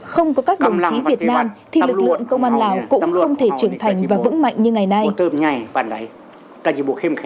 không có các đồng chí việt nam thì lực lượng công an lào cũng không thể trưởng thành và vững mạnh như ngày nay tuần này